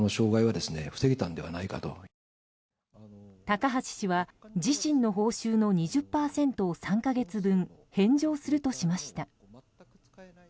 高橋氏は自身の報酬の２０％を３か月分、返上するとしました。